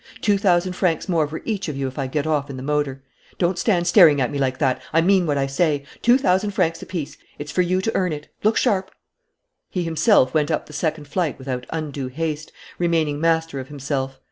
Two thousand francs more for each of you if I get off in the motor. Don't stand staring at me like that: I mean what I say. Two thousand francs apiece: it's for you to earn it. Look sharp!" He himself went up the second flight without undue haste, remaining master of himself.